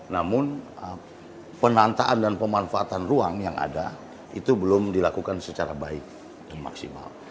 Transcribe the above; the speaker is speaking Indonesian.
namun penantaan dan pemanfaatan ruang yang ada itu belum dilakukan secara baik dan maksimal